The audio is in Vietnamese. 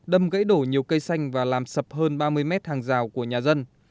đâm gãy đổ nhiều cây xanh và làm sập hơn ba mươi mét hàng rào của nhà dân